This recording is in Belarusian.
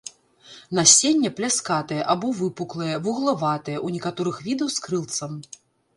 Насенне пляскатае або выпуклае, вуглаватае, у некаторых відаў з крылцам.